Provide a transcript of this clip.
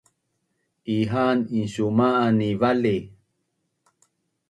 Iha’an insuma’an ni vali